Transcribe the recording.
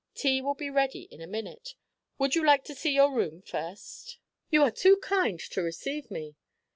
Tea will be ready in a minute would you like to see your room first?" "You are too kind, to receive me!"